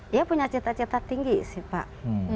dia punya cita cita tinggi sih pak